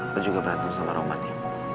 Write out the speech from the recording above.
lu juga berantem sama roman ya